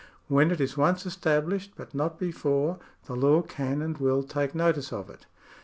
When it is once established, but not before, the law can and will take notice of it.